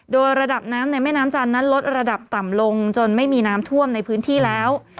โดยระดับน้ำในแม่น้ำจันทร์นั้นลดระดับต่ำลงจนไม่มีน้ำท่วมในพื้นที่แล้ว